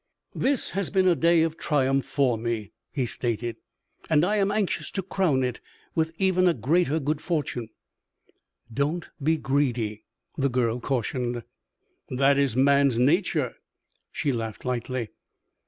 "] "This has been a day of triumphs for me," he stated, "and I am anxious to crown it with even a greater good fortune." "Don't be greedy," the girl cautioned. "That is man's nature." She laughed lightly.